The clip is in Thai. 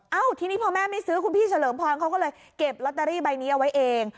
ทีนี้พอแม่ไม่ซื้อคุณพี่เฉลิมพรเขาก็เลยเก็บลอตเตอรี่ใบนี้เอาไว้เอง